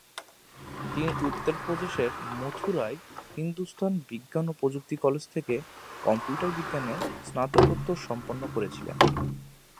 তিনি উত্তরপ্রদেশের মথুরায় হিন্দুস্তান বিজ্ঞান ও প্রযুক্তি কলেজ থেকে কম্পিউটার বিজ্ঞানে স্নাতকোত্তর সম্পন্ন করেছিলেন।